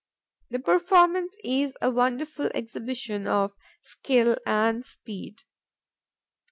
The performance is a wonderful exhibition of skill and speed.